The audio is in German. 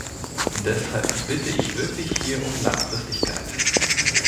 Deshalb bitte ich wirklich hier um Langfristigkeit.